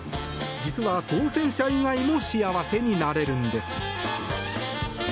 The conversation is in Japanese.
実は当選者以外も幸せになれるんです。